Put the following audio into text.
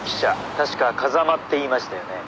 確か風間っていいましたよね？」